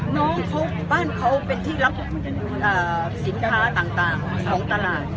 น้องเขาบ้านเขาเป็นที่รับสินค้าต่างของตลาด